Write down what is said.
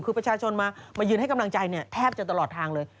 คือประชาชนมายืนให้กำลังใจเนี่ยแทบจะตลอดทางเลย